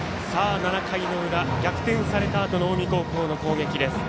７回の裏、逆転されたあとの近江高校の攻撃です。